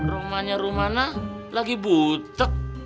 rumahnya rumana lagi butek